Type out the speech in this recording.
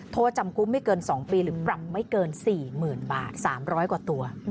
โทษจำคุกไม่เกิน๒ปีหรือปรับไม่เกิน๔๐๐๐บาท๓๐๐กว่าตัว